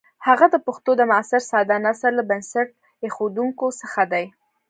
هغه د پښتو د معاصر ساده نثر له بنسټ ایښودونکو څخه دی.